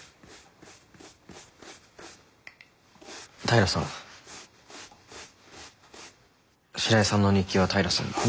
平さん白井さんの日記は平さんが。